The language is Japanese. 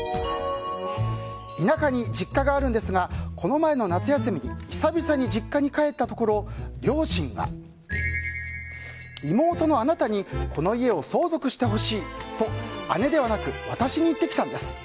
田舎に実家があるんですがこの前の夏休みに久々に実家に帰ったところ両親が、妹のあなたにこの家を相続してほしいと姉ではなく私に言ってきたんです。